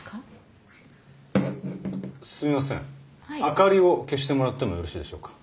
明かりを消してもらってもよろしいでしょうか？